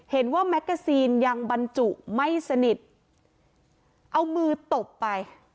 แมกกาซีนยังบรรจุไม่สนิทเอามือตบไป